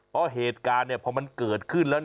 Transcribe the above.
เพราะเหตุการณ์พอมันเกิดขึ้นแล้ว